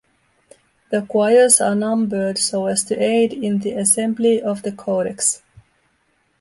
The quires are numbered so as to aid in the assembly of the codex.